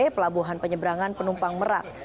pelabuhan penyeberangan penumpang merak